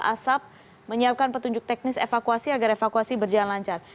asap menyiapkan petunjuk teknis evakuasi agar evakuasi berjalan lancar